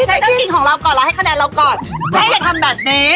เดี๋ยวแคลียร์เขียวก่อนอ่ะ